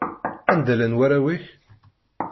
Anda llan warraw-ik?